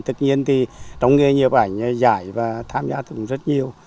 tất nhiên thì trong nghề nghiệp ảnh giải và tham gia cũng rất nhiều